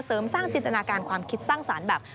เสริมสร้างจินตนาการความคิดสร้างสรรค์แบบ